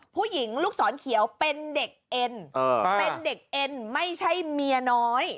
ผู้หญิงลูกศรเขียวเป็นเด็กเอ็นเป็นเด็กเอ็นไม่ใช่เมียน้อย